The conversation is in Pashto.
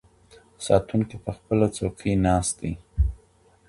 ساتونکی په خپله څوکۍ ناست دی.